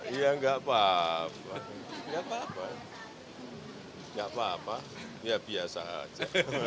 iya enggak apa apa enggak apa apa ya biasa aja